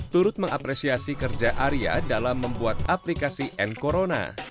turut mengapresiasi kerja arya dalam membuat aplikasi n corona